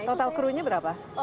total crew nya berapa